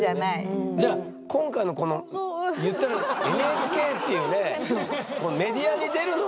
じゃあ今回のこのいったらＮＨＫっていうねメディアに出るのも。